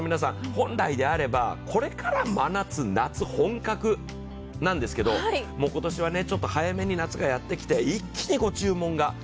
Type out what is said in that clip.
本来であれば、これから真夏、夏本格なんですけど、今年はちょっと早めに夏がやってきて、一気に注文が。